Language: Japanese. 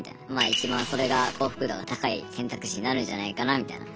いちばんそれが幸福度が高い選択肢になるんじゃないかなみたいな。